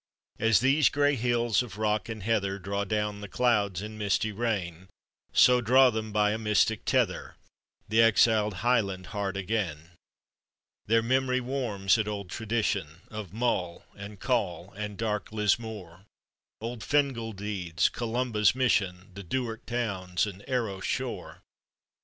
As these gray hill* of r«« k and heather Draw down the clou is in misty rain, So draw them by a mystic tether, The exiled Highland heart again. Their memory warm* at old tradition Of Mull, and Coll, and dark Lismore, Old Fin gal deeds, Columba's mission, The Dimrd towns, and Arcs shore.